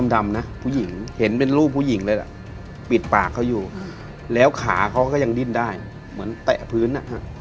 ได้ยินเสียงว่าเหมือนคน